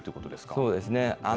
そうですね。